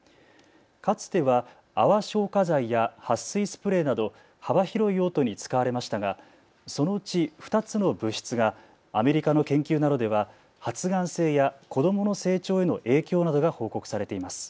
かつては泡消火剤やはっ水スプレーなど幅広い用途に使われましたが、そのうち２つの物質がアメリカの研究などでは発がん性や子どもの成長への影響などが報告されています。